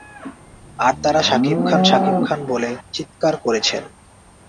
আর তারা ‘শাকিব খান, শাকিব খান’ বলে চিৎকার করেছেন।